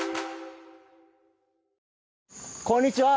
こんにちは。